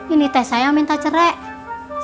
ini teh saya minta cerai